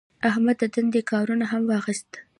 احمد د دندې کارونه هم واخیستل.